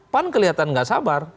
pan kelihatan gak sabar